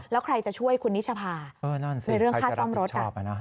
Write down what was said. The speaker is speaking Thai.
แล้วใครจะช่วยคุณนิชภาในเรื่องค่าซ่อมรถ